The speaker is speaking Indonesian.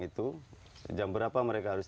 itu jam berapa mereka harus